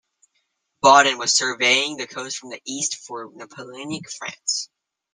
Baudin was surveying the coast from the east for Napoleonic France.